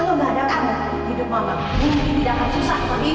kalau enggak ada kamu hidup mama mungkin tidak akan susah begini